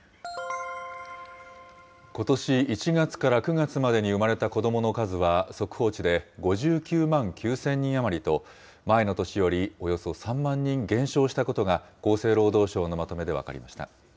ことし１月から９月までに生まれた子どもの数は、速報値で５９万９０００人余りと、前の年よりおよそ３万人減少したことが厚生労働省のまとめで分かりました。